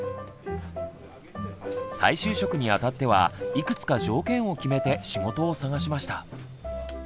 再就職にあたってはいくつか条件を決めて仕事を探しました。